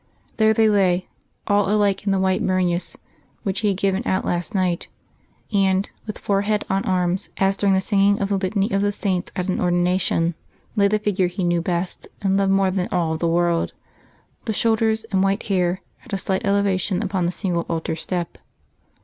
There they lay, all alike in the white burnous which he had given out last night; and, with forehead on arms, as during the singing of the Litany of the Saints at an ordination, lay the figure he knew best and loved more than all the world, the shoulders and white hair at a slight elevation upon the single altar step.